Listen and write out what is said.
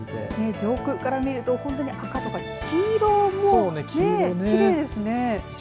上空から見ると本当に赤とか黄色とか黄色もきれいですね。